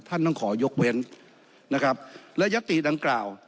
ท่านต้องขอยกเว้นนะครับและยัตติดังกล่าว